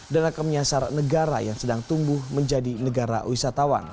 dan akan menyasar negara yang sedang tumbuh menjadi negara wisatawan